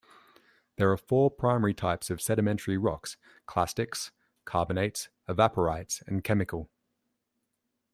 There are four primary types of sedimentary rocks: clastics, carbonates, evaporites, and chemical.